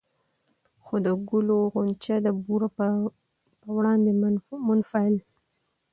خو د ګلو غونچه د بورا پر وړاندې منفعل